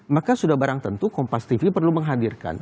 maka sudah barang tentu kompas tv perlu menghadirkan